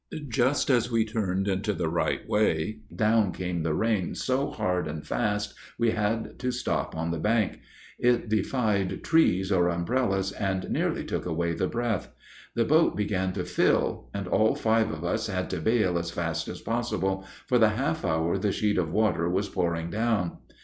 Just as we turned into the right way, down came the rain so hard and fast we had to stop on the bank. It defied trees or umbrellas, and nearly took away the breath. The boat began to fill, and all five of us had to bail as fast as possible for the half hour the sheet of water was pouring down.